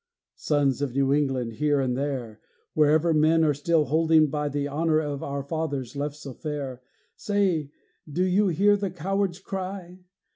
Sons of New England, here and there, Wherever men are still holding by The honor our fathers left so fair, Say, do you hear the cowards' cry?